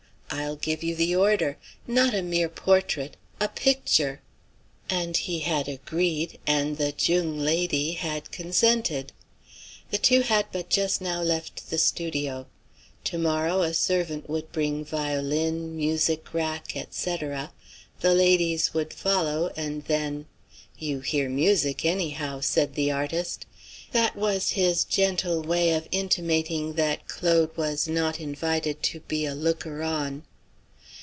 I'll give you the order. Not a mere portrait a picture." And he had agreed, and the "jung" lady had consented. The two had but just now left the studio. To morrow a servant would bring violin, music rack, etc.; the ladies would follow, and then "You hear music, anyhow," said the artist. That was his gentle way of intimating that Claude was not invited to be a looker on.